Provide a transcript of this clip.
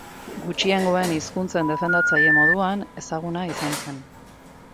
Gutxiengoen hizkuntzen defendatzaile moduan ezaguna izan zen.